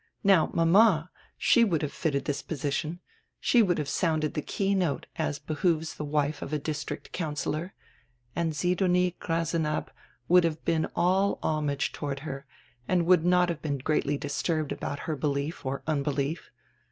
Now r mama, she would have fitted this position, she would have sounded die key note, as behooves the wife of a district councillor, and Sidonie Grasenabb would have been all homage toward her and would not have been gready disturbed about her belief or unbelief.